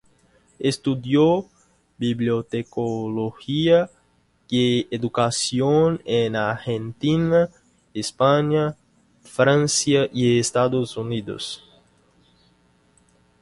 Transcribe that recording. Estudió bibliotecología y educación en Argentina, España, Francia y Estados Unidos.